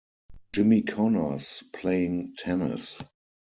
Jimmy Connors playing tennis.